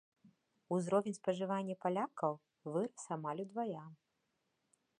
Узровень спажывання палякаў вырас амаль удвая.